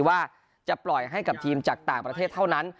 ว่าจะปล่อยให้กับทีมจากต่างประเทศเท่านั้น